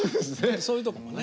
そういうとこもね。